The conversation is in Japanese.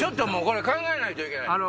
これは考えないといけない。